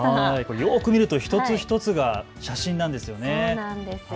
よく見ると一つ一つが写真なんですね。